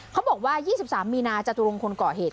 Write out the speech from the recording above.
เขาบอกว่า๒๓มีนาคมจตุรงค์คนก่อเหตุ